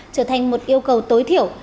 trở thành một yêu cầu tối thiểu